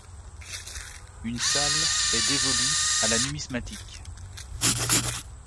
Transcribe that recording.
Une salle est dévolue à la numismatique.